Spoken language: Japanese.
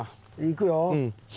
行くよ。